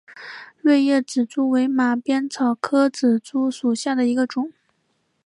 锐叶紫珠为马鞭草科紫珠属下的一个种。